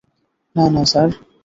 না, না স্যার।